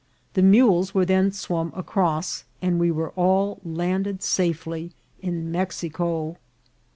The mules were then swum across, and we were all ianded safely in Mexico.